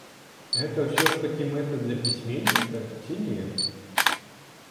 Гэта ўсё ж такі мэта для пісьменніка ці не?